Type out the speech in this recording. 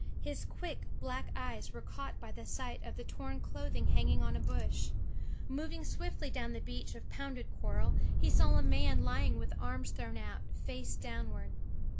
His quick black eyes were caught by the sight of torn clothing hanging on a bush. Moving swiftly down the beach of pounded coral, he saw a man lying with arms thrown out, face downward.